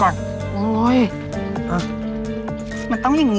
น้องเฟฟน